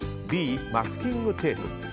Ｂ、マスキングテープ。